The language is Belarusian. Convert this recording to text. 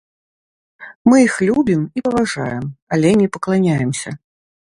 Мы іх любім і паважаем, але не пакланяемся.